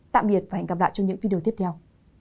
tạm biệt và hẹn gặp lại trong những video tiếp theo